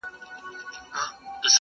موږ په دې ساحل کي آزمېیلي توپانونه دي!!